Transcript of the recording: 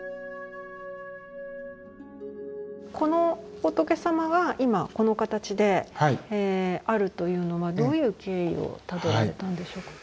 この仏様は今この形であるというのはどういう経緯をたどったんでしょうか。